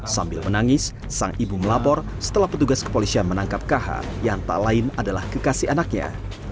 sambil menangis sang ibu melapor setelah petugas kepolisian menangkap kh yang tak lain adalah kekasih anaknya